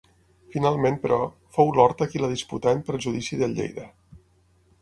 Finalment, però, fou l'Horta qui la disputà en perjudici del Lleida.